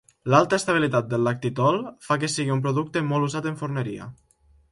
L'alta estabilitat del lactitol fa que sigui un producte molt usat en forneria.